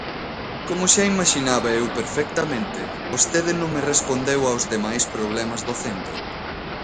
Como xa imaxinaba eu perfectamente, vostede non me respondeu aos demais problemas do centro.